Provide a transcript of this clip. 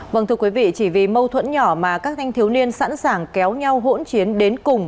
vâng thưa quý vị chỉ vì mâu thuẫn nhỏ mà các thanh thiếu niên sẵn sàng kéo nhau hỗn chiến đến cùng